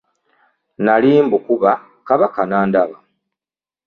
Nali mbukuba Kabaka nandaba.